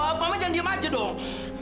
mama jangan diam aja dong